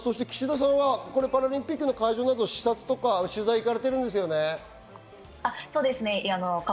岸田さんはパラリンピックの会場など取材行かれているんですよね？